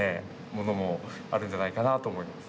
ものもあるんじゃないかなと思います。